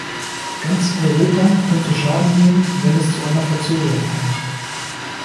Ganz Europa könnte Schaden nehmen, wenn es zu einer Verzögerung kommt.